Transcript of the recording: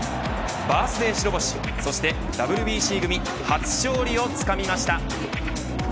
バースデー白星、そしてＷＢＣ組初勝利をつかみました。